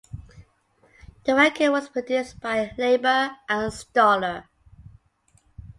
The record was produced by Leiber and Stoller.